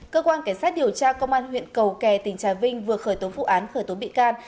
cơ quan cảnh sát điều tra công an huyện cầu kè tỉnh trà vinh vừa khởi tố vụ án khởi tố bị can